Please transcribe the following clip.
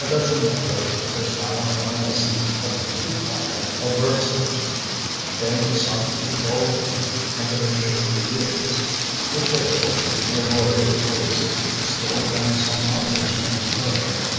A dozen negroes, their smiles reminiscent of tooth powder advertisements, vainly sought to cajole him into their shaky vehicles. With difficulty he avoided their pleas, and strolled down San Marco's main thoroughfare.